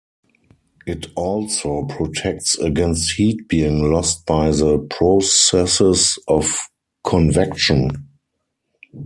It also protects against heat being lost by the processes of convection.